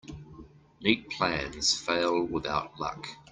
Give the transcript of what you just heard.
Neat plans fail without luck.